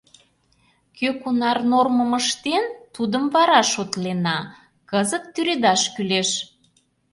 — Кӧ кунар нормым ыштен, тудым вара шотлена, кызыт тӱредаш кӱлеш!